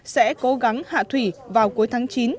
sẽ cố gắng hạ thủy vào cuối tháng chín